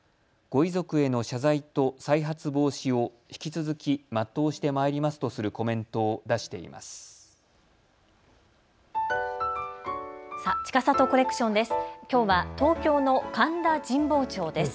ご遺族への謝罪と再発防止を引き続き全うして参りますとするコメントを出しています。